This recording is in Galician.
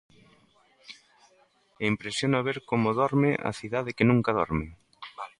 E impresiona ver como dorme a cidade que nunca dorme.